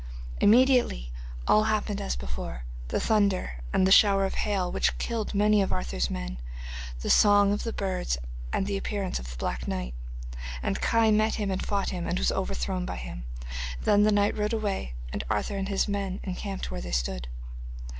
Immediately all happened as before; the thunder and the shower of hail which killed many of Arthur's men; the song of the birds and the appearance of the black knight. And Kai met him and fought him, and was overthrown by him. Then the knight rode away, and Arthur and his men encamped where they stood.